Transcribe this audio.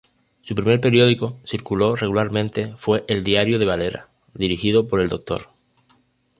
Su primer periódico, circuló regularmente fue el Diario de Valera, dirigido por el Dr.